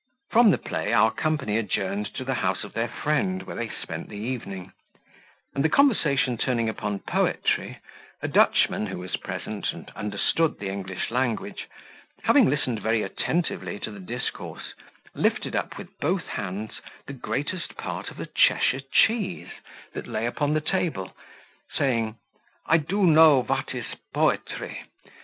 From the play our company adjourned to the house of their friend, where they spent the evening; and the conversation turning upon poetry, a Dutchman who was present, and understood the English language, having listened very attentively to the discourse, lifted up with both hands the greatest part of a Cheshire cheese that lay upon the table, saying, "I do know vat is boetre.